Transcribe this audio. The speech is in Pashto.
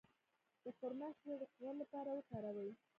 د خرما شیره د قوت لپاره وکاروئ